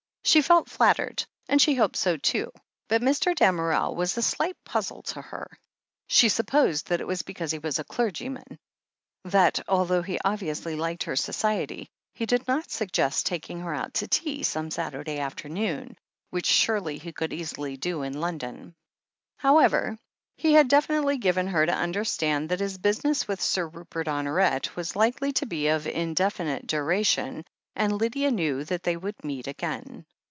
She felt flattered, and hoped so too, but Mr. Damerel was a slight puzzle to her. She supposed that it was because he was a clergy 284 THE HEEL OF ACHILLES man, that, although he obviously Uked her society, he did not suggest taking her out to tea some Saturday afternoon, which surely he could easily do in London. However, he had definitely given her to understand that his business with Sir Rupert Honoret was likely to be of indefinite duration, and Lydia knew that they would meet again.